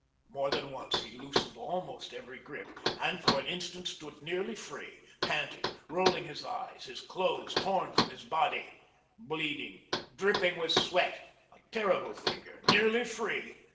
More than once, he loosened almost every grip, and for an instant stood nearly free, panting, rolling his eyes, his clothes torn from his body, bleeding, dripping with sweat, a terrible figure, nearly free.